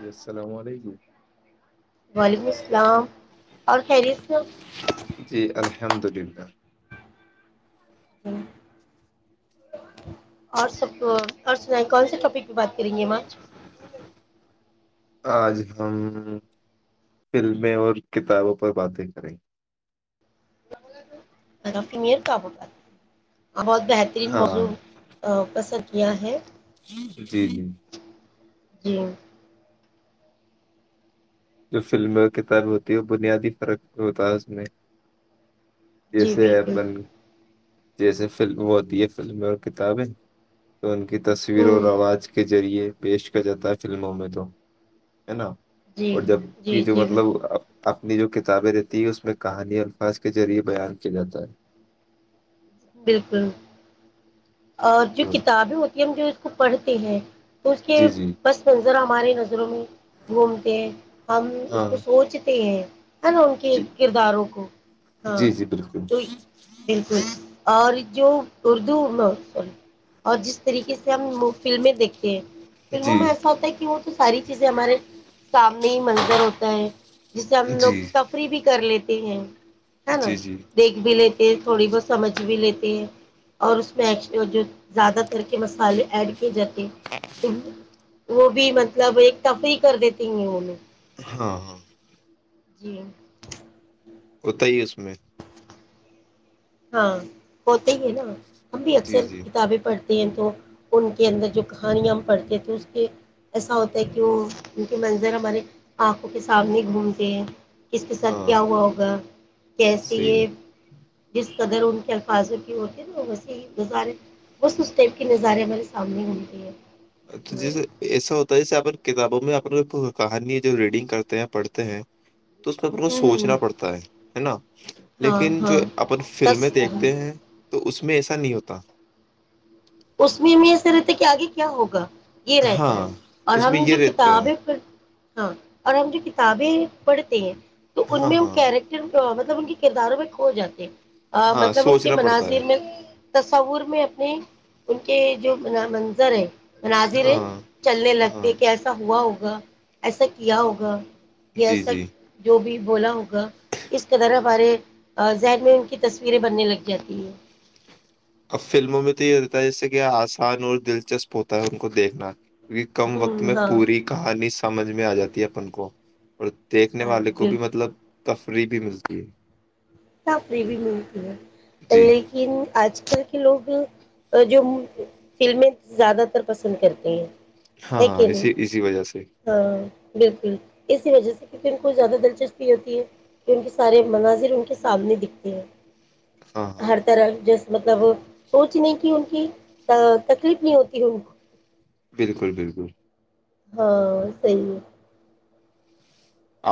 ی السلام علیکم بالی ووڈ اور خیریت میں [unintelligible] احمددین کا [unintelligible] ہوں [unintelligible] اور سب کو اور سیں کون سے ٹاپک پہ بات کریں گے آج ہم فلمیں اور کتابوں پر باتیں کریں فی میر کاب بات بہت بہترین ہاں موضع پسند یہ ہے جی جی جی جو فلمیں اور کتاب ہوتی ہے اور بنیادی فرق وتااز میں جی جسے بالکل اپن جیسے ف ہوتی ہے فلمیں اور کتابیں تو ان کی تصویر اور ہوں رواز کے ذریعے پیش کیا جاتا ہے فلموں میں تو ہے نا جی اور جب جی کی جو جی مطلب بال- اپنی جو کتابیں رہتی ہیں اس میں کہانی الفاظ کے ذریعہ بیان کیا جاتا ہے بالکل اور جو کتابیں ہوتی ہیں ہم جو اس کو پڑھتے ٹھیک ہے اس کے جی جی بس میں ار ہمارے نظروں میں گھومتے ہیں ہم اس ہاں کو سوچتے ہیں ہے نا ان کے جی کرداروں کو ہاں جی جی بالکل تو بالکل اور جو سی اور جس طریقے سے ہم فلمیں دیکھتے ہیں فلموں جی میں ایسا ہوتا ہے کہ وہ تو سارییز چیزے ہمارے سامنے ہی منظر ہوتا ہے جسے ہم لوگ جی تفریح بھی کر لیتے ہیں ہ نا جی جی دیکھ بھیل یہ تھوڑی بہتمجھ بھی لیتے ہیں اور اس زیادہ تر کے مسالے ایڈ جات [unintelligible] وہ بھی مطلب ایک تفریح کر دیتی ہیں انیں ہاں ہاں جی ہ ہوتا ہی اس میں ہاں ہو تو ہی ہے نا ہم بھی جی اکثر جی کتابیں پڑھ تو ان کے اندر جو کہانیاں ہم پڑھتے ہیں تو اس کے ایسا ہوتا ہے کہ وہ ان کے منظر ہمارے آنکھوں کے سامنے گھومتے ہیں کس کے ساتھ ہاں کیا ہوا ہوگا کیسے صحیح یہ کد [unintelligible] الفاظوں کی ہوتی ہے نا ویسے نظارے ب اس ٹیپ کی نظارے ہمارے سامنے ہوتی ہیں اچھا جیسے ایسا ہوتا ہے جیسے آپ کتابوں میں اپنے کہانی جو ریڈنگ کرتے ہیں پڑھتے ہیں تو اس میں اپ کو ہ ہ سوچنا پڑتا ہے نا ہاں لیکن جو ہاں اپن فلمیں بس دیکھتے ہیں تو اس میں میں ایسا نہیں ہوتا اس میں میں ایسے رہتے کہ آگے کیا ہوگا یہ رہتا ہاں ہے اور اس میں ہم یہ جو رہتا ہے کتابیں پ ہاں اور ہم جو کتابیں پڑھتے ہیں تو ان ہاں میں ہاں کیریکٹر پرت مطلب ان کے کرداروں میں کھو جاتے ہیں ہاں مطلب ان کے سوچنا پڑتا ہے مناظر میں تصور میں اپنی [unintelligible] ان کے جو منظر ہے [unintelligible] ناضر ہاں چلنے ہاں لگتے کہ ایسا ہوا ہو [unintelligible] ہوگا ایسا کیا ہوگا [unintelligible] یہ جی جی سب جو بھی بولا ہوگا اس قدر ہمارے ذہن میں ان کی تصویریں بننے لگ جاتی ہیں [unintelligible] اب فلموں میں تو یہ رہتا ہے جس سے کہ آسان اور دلچسپ ہوتا ہے ان کو دیکھنا کیکہ کم وقت ہوں میں ہاں پوری کہانی سمجھ میں آ جاتی ہے اپن کو اور دیکھنے ہاں جی والے کو بالکل بھی مطلب [unintelligible] تفریح بھی ملتی ہے [unintelligible] سپری بھی ملتی ہے جی لیکن آج کل لوگ جو فلمیں زیادہ تر پسند کرتے ہیں ہے ہاں کہ اسی نہیں اسی وجہ سے ہاں بالکل اسی وجہ سے کیونکہ ان کو زیادہ دلچسپی ہوتی ہے کہ ان کے سارے مناظر ان کے سامنے دکھتی ہیں ہاں ہاں [unintelligible] ہر طرح جس مطلب سوچنے کی ان کی تکلیف نہیں ہوتی ہے ان کو بالکل بالکل [unintelligible] ہاں صی ہے [unintelligible]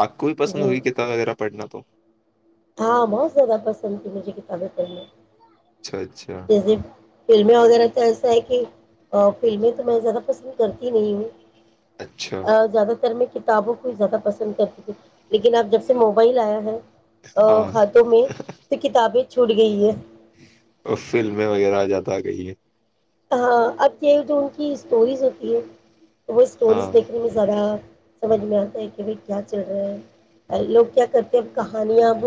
آپ کو بھی پسند جی ہوئیتا وغیرہ [unintelligible] پڑھنا تو [inaudible] ہاں بہت زیادہ پس [unintelligible] ند تھی مجھے کتابیں پڑھنی اچھا اچھا جیسے فلمیں وغیرہ تو ایسا ہے کہ [unintelligible] فلمیں تو میں زیادہ پسند کرتی نہیں ہوں اچھا [unintelligible] ا زیادہ تر میں [unintelligible] کتابوں کو ہی زیادہ پسند کرتی تھی لیکن آب جب سے موبائل آیا ہے [unintelligible] ہاں ہاتھوں میں تو کتابیں [unintelligible] چھوٹ گئی ہے [unintelligible] اور فلمیں وغیرہ آ جاتا کہیں ہے [unintelligible] ہاں اب یہ جو ان کی اسٹوریز ہوتی ہے [unintelligible] وہ اسٹوریز ہاں دیکھنے میں زیادہ [unintelligible] سمجھ میں آتا ہے کہ بھائی کیا چل رہا ہے لوگ کیا کرتے ہیں اب کہانیاں اب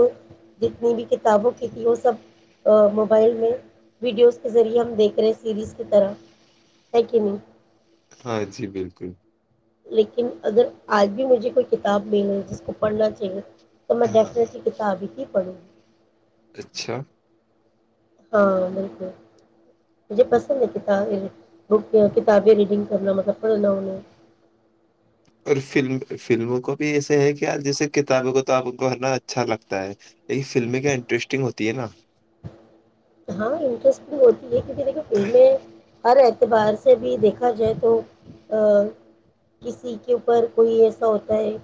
جتنی بھی کتابوں کی تھی وہ سب موبائل میں ویڈیوز کے ذریعے ہم دیکھ رہے [unintelligible] سیریز کی طرح ہےک ی نہیں [unintelligible] ہاں جی بالکل [unintelligible] لیکن اگر آج بھی مجھے کوئی کتاب مل جس کو [unintelligible] پڑھنا چاہیے تو میں ہاں ڈیفٹلی کتاب ہی پڑھوں [unintelligible] اچھا ہاں بالکل مجھے پسند ہے کتا بک کتابیں ریڈنگ کرنا مطلب پڑھنا انہیں اور ف فلموں کو بھی ایسے ہے کہ یار جیسے کتابیں کو تو آپنا اچھا لگتا ہے لیک فلمیں کیا انٹرسٹنگ ہوتی ہے نا ہاں انٹرسٹ ہو یہ کسی دیکھیے فلمیں ہر ای اعتبار سے بھی دیکھا جائے تو کسی کے اوپر کوئی ایسا ہوتا ہے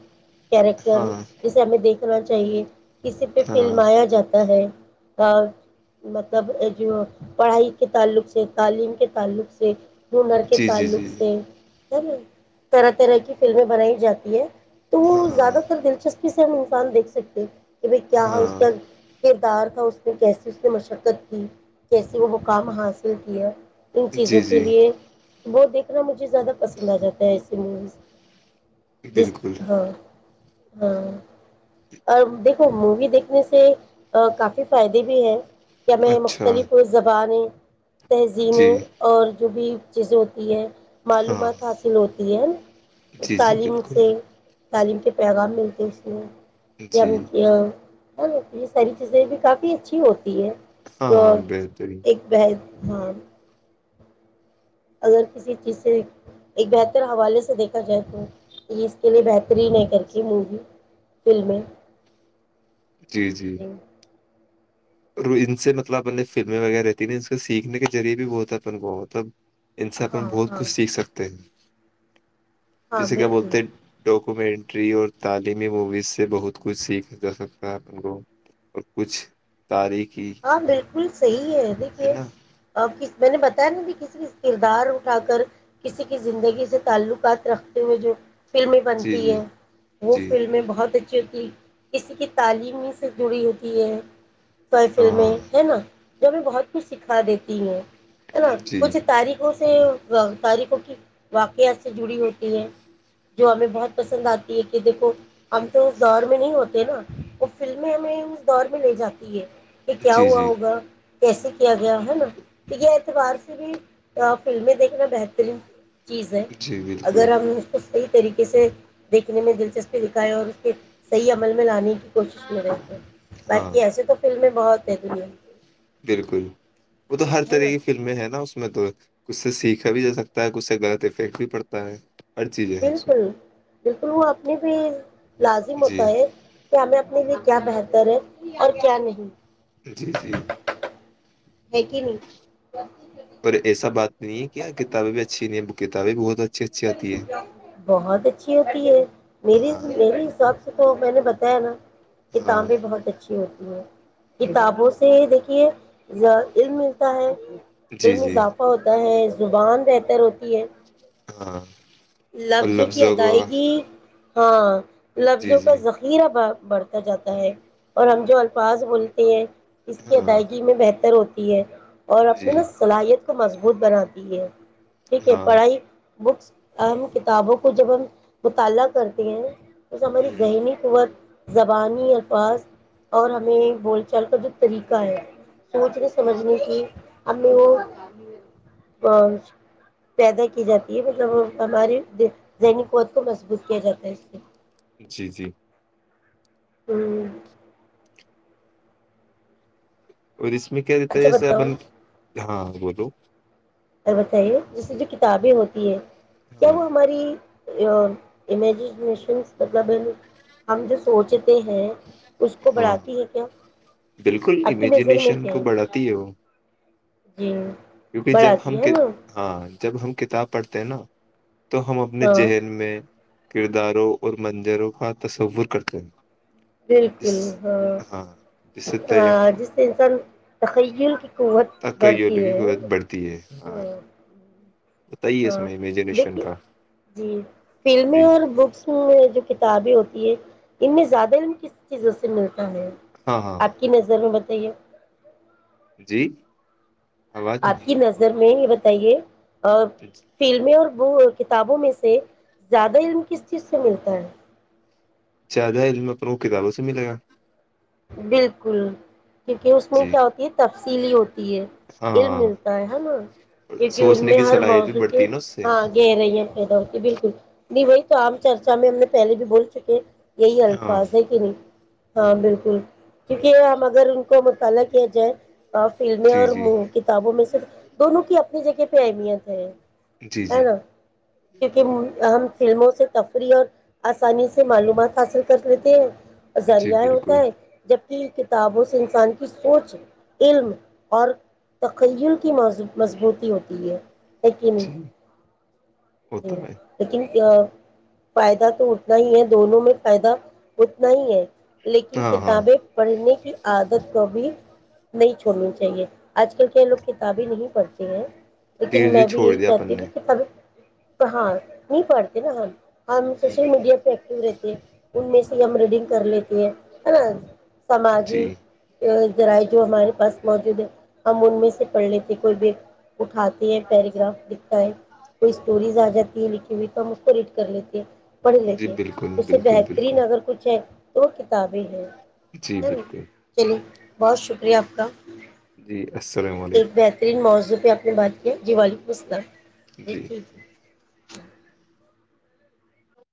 کیریکٹر ہاں جیسے ہم دیکھ رہا چاہیے کسی پہ ہاں فلمایا جاتا ہے ہ مطلب جو پڑھائی کے تعلق سے تعلیم کے تعلق سے ہنر کے جی جی جی تعلق جی، سے طرح طرح کی فلمیں بنائی جاتی ہے تو وہ زیادہ ہاں تر دلچسپی سے ہم مفان دیکھ سکتے ب کیا اس ہاں کا کہ دار تھا اس کیسے اس نے مش شرکت کی جیسے وہ مقام حاصل کیا ان چیزوں جی کے جی لیے وہ دیکھنا مجھے زیادہ پسند آ جاتا ہے ایسی موویز جس بالکل ہاں ہاں اور دیکھو مووی دیکھنے سے کافی فائدے بھی ہیں میں اچھا مختلف زبانیں جی تہذیینیں اور جو بھی اچھے سے ہوتی ہے ہاں معلومات حاصل ہوتی ہے نا جی جی تعلیم بالکل سے تعلیم کے پیغام ملتے اس لیے جی کیم کیا یہ ساری چیزیں بھی کافی اچھی ہوتی ہے ہاں تو ہاں بہترین ایک بہ ہاں اگر کسی چیز سے ایک بہتر حوالے سے دیکھا جائے تو کہ یہ اس کے لئے بہترین ہے کر کے مووی فلمیں جی جی ان سے مطلب اپنے فلمیں وغیرہ رہتی ن ان کو سیکھنے کے ذریعے بھی بتا ہے اپن کوب ان سے اپنا ہاں بہت ہاں کچھ سیکھ سکتے ہیں ہاں کسی کیا بالکل بولتے ہیں ڈوک کوومینٹری اور تعلیمی موویز سے بہت کچھ سیکھا جا سکتا ہے ان کو اور کچھ تاریخ [unintelligible] ہاں بالکل صحیح ہے دیکھیے نا میں نے ب ہےا کسی کردار اٹھا کر کسی کی زندگی سے تعلقات رکھتے ہوئے جو [unintelligible] فلمیں جی بنتی جی ہے وہ جی فلمیں بہت اچ [unintelligible] ہوتی کسی کی تعلیم سے جڑی ہوتی ہے [unintelligible] ہاں ہاں فلمیں ہے نا [unintelligible] جو بھی بہت کچھ سکھا دیتی ہوں [unintelligible] نا جی کچھ تاریخوں سے تاریخوں کی واقعات سے جڑی ہوتی ہے جو ہمیں بہت پسند آتی ہے کہ دیکھو [unintelligible] اب تو اس دور میں نہیں ہوتے نا [unintelligible] وہ فلمیں ہمیں اس دور میں لے جاتی ہے [unintelligible] یہ کیا جی ہوا جی ہوگا [unintelligible] کیسے کیا گیا ہے نا یہ اعتبار سے بھی فلمیں دیکھنا بہترین تھی چیز ہے جی بالکل اگر ہم [unintelligible] صحیح طریقے سے دیکھنے میں دلچسپی دکھائی اور اس کے صحیح عمل میں لانی [unintelligible] کوشش میں رہتے ہیں ہاں باقی ایسے تو فلمیں بھی [unintelligible] بہت ہے دنیا کی [unintelligible] بالکل وہ تو ہر ہے طرح نا کی فلمیں ہیں نا اس اس میں تو کھ سے سیکھا بھی جا سکتا ہے کھ سے غلط افیکٹ بھی پڑتا ہے ہر چیزیں ہیں اس میں بالکل بالکل وہ اپنی بھی لازم جی ہوتا ہے کہ ہمیں اپنے لیے کیا بہتر رہے اور کیا نہیں ہے کہ نہیں پر ایسا بات نہیں ہے کیا کتابیں بھی اچھی نہیں کتا بھی بہت اچا بہت اچھی ہوتی ہے میرے ہاں میرے حساب سے اچ تو میں نے بتایا ہے نا ہاں کتابیں بہت اچھی ہوتی ہیں ہوں، کتابوں سے دیکھی یہ علم ملتا ہے جی علم جی اضافہ ہوتا ہے زبان بہتر ہوتی ہے ہاں اور لفظوں کی کو ادائیگی ہاں جی لفظوں کا جی ذخیرہ باغ بڑھتا جاتا ہے اور ہم جو الفاظ بولتے ہیں اس کی ہاں ادائیگی میں بہتر ہوتا یہ اور جی اپنی نا صلاحیت کو مضبوط بناتی ہے ٹھیک ہے ہاں ہ پڑھائی بکس اہم کتابوں کو جب ہم مطالعہ کرتے ہیں توس ہماری زینک وت زبانی الفاظ اور ہمیں بول چال کا جو طریقہ ہے سوچنے سمجھنے کی ہمیں وہ پیدا کی جات یہ مطلب ہماری ذہنی قت کو مضبوط کیا جاتا ہے اس سے جی جی ہوں اورس میں کیا دیتے اچھا ایسے بتاؤ اپن ہاں بولو بتائیے جیسے جو کتابیں ہوتی ہے کیا ہاں وہ ہماری امیجینیشنس مطلب ہم جو سوچتے ہیں اس کو ہاں بڑھاتی ہے کیا بالکل آپ کی نظر میں امیجینیشن کو کیا بڑھاتی ہے وہ جی کیونکہ جب ہم بڑھاتی ہے نا ہاں جب ہم کتاب پڑھتے ہیں نا تو ہم اپنے ہاں ذہل میں کرداروں اور منظروں کا تصور کرتے ہیں جس بالکل ہاں جس سے ہاں جس سے انسان [unintelligible] توخی [unintelligible] ت کئی ل کی قت بڑھتی ہے ہاں [unintelligible] اس ہاں میں امیجنیشن دیکھیے کا جی فلمیں جی اور بکس میں جو کتابیں ہوتی ہے [unintelligible] اتنی زیادہ ہی کس چیز [unintelligible] ملتا ہے ہاں ہاں آپ کی نظر میں ب [unintelligible] تے [unintelligible] جی آواز آپ کی نہیں نظر میں یہ ب [unintelligible] تائیے [unintelligible] ا فلم میںیں اور وہ [unintelligible] کتابوں میں سے زیادہ علم کس چیز سے ملتا ہے زیادہ علم اپن کو کتابوں سے ملے گا بالکل کیونکہ اسس میں جی کیا ہوتی ہے سلیوٹ علم ہاں ملتا ہے ہے نا کیونکہ ان سوچنے میں کی ہر صلاحیت بھی موضع بڑھتی کے ہے نا اس سے ہاں گہ رہی ہیں پیدا ہوتی بالکل جی وہی تو عام چرچا میں ہم نے پہلے بھی بول چکے ہیں یہی ہاں الفاظ ہے کہ نہیں ہاں بالکل کیونکہ ہم اگر ان کو مطالعہ کیا جائے فلمیں جی اور جی کتابوں میں سےر دونوں کی اپنی جگہ پہ اہمیت ہے جی ہے جی نا کیونکہ ہم فلموں سے تفریح اور آسانی سے معلومات حاصل کر لیتے ہیں جی زذرییا ہے ہوتا بالکل ہے جبکہ کتابوں سے انسان کی سوچ علم اور تخیل کی موضوع مضبوط ہوتی ہے یقینی جی ہوتا جی ہے لیکن فائدہ تو اتنا ہی ہے دونوں میں فائدہ اتنا ہی ہے لیکن ہاں ہاں کتابیں پڑھنے کی عادت کو بھی نہیں چھوڑنی چاہیے آج کل کے لوگ کتابیں نہیں پڑھتے ہیں دھیرے لیکن میں دھیرے بھی چھوڑ یہی دیا چاہتی اپن نے ت کتاب ہاں نہیں پڑتے نا ہم ہم سوشل ہوں، میڈیا پہ ایکٹو رہتے ان میں سے ہم ریڈنگ کر لیتے ہیں ہے نا جی سماجک ذرائع جو ہمارے پاس موجود ہے ہم ان میں سے پڑھ لیتے کوئی بھی اٹھاتے ہیں پیراگراف لکھتا ہے کوئی اسٹوریز آ جاتی ہے لکھی ہوئی تو ہم اس کو ریڈ کر لیتے ا [inaudible] پڑھ جی لیتے بالکل تو سے بالکل بہترین بالکل اگر کچھ ہے اوکے ثابل ہے جی نا بالکل چلیے بہت شکریہ آپ کا جی السلام علیکم جس پہ آپ نے بات کیا جی وعلیکم السلام جی ج [unintelligible]